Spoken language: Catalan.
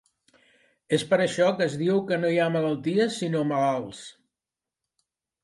És per això que es diu que no hi ha malalties sinó malalts.